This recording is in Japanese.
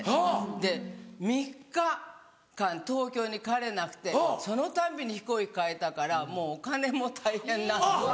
で３日間東京に帰れなくてそのたんびに飛行機変えたからもうお金も大変なんです。